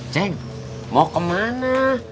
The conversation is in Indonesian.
ceng mau kemana